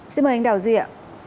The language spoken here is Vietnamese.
xin mời anh đạo duy ạ